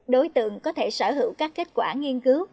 đối tượng có thể sở hữu các kết quả nghiên cứu